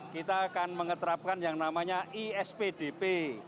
kita akan mengeterapkan yang namanya ispdp